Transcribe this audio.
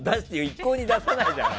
一向に出さないじゃん。